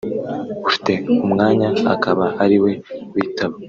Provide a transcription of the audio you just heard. ufite umwanya akaba ari we witaba